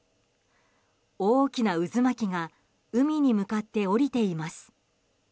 大きな渦巻きが海に向かって降りています。